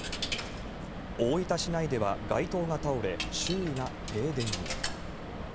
大分市内では街灯が倒れ、周囲が停電に。